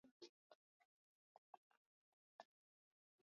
Bila kufungwa na timu yoyote kando na kujitokeza kwake kama